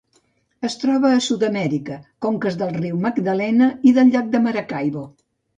Es troba a Sud-amèrica: conques del riu Magdalena i del llac Maracaibo.